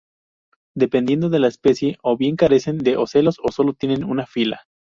Dependiendo de la especie, o bien carecen de ocelos o solo tienen una fila.